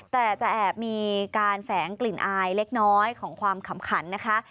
แต่จะแอบมีการแฝงกลิ่นอายเล็กน้อยของความขำขันนะคะ